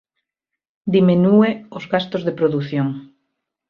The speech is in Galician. Diminúe os gastos de produción.